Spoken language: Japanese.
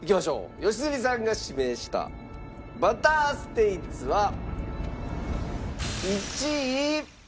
良純さんが指名したバターステイツは１位。